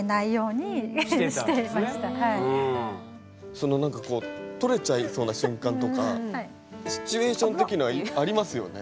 その何かこう取れちゃいそうな瞬間とかシチュエーション的にはありますよね？